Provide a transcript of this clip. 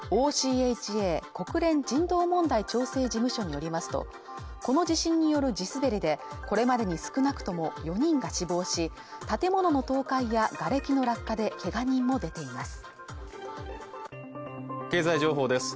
ＯＣＨＡ＝国連人道問題調整事務所によりますとこの地震による地滑りでこれまでに少なくとも４人が死亡し建物の倒壊やがれきの落下でけが人も出ています